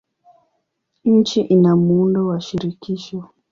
Nchi ina muundo wa shirikisho.